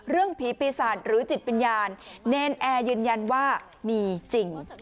ผีปีศาจหรือจิตวิญญาณเนรนแอร์ยืนยันว่ามีจริง